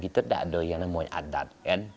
itu tidak ada yang namanya adat kan